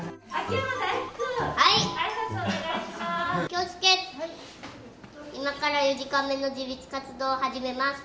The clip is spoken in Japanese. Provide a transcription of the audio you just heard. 気をつけ今から４時間目の自立活動を始めます